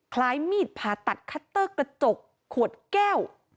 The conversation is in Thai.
คล้ายมีดผ่าตัดคัตเตอร์กระจกขวดแก้ว